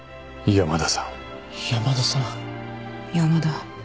山田。